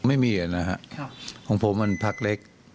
ไม่มีนะฮะของผมมันพักเล็ก